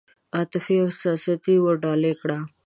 عاطفه او احساس ورډالۍ کړي دي.